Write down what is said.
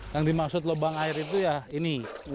yang dimaksud lubang air itu ya ini warga desa